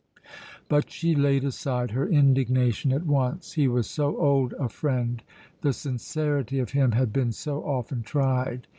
But she laid aside her indignation at once; he was so old a friend, the sincerity of him had been so often tried.